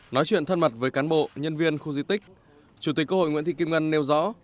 nói chuyện thân mật với cán bộ nhân viên khu di tích chủ tịch quốc hội nguyễn thị kim ngân nêu rõ